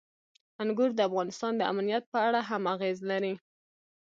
انګور د افغانستان د امنیت په اړه هم اغېز لري.